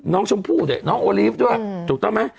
น้องชมพู่ด้วยน้องโอลีฟด้วยถูกต้องไหม